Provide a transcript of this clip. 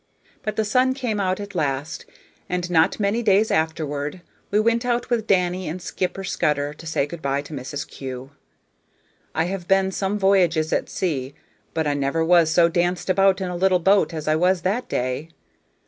But the sun came out at last, and not many days afterward we went out with Danny and Skipper Scudder to say good by to Mrs. Kew. I have been some voyages at sea, but I never was so danced about in a little boat as I was that day.